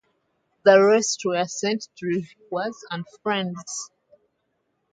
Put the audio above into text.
The rest were sent to reviewers and friends.